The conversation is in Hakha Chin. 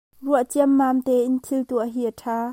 Ruah ciammam tein thil tuah hi a ṭha.